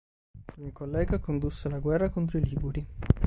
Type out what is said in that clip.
Con il collega condusse la guerra contro i Liguri.